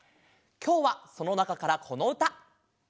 きょうはそのなかからこのうた。